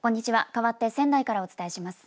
かわって仙台からお伝えします。